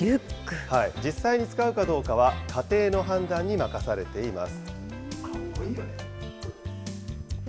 実際に使うかどうかは、家庭の判断に任されています。